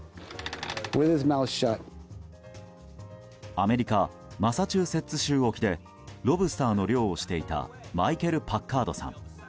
アメリカマサチューセッツ州沖でロブスターの漁をしていたマイケル・パッカードさん。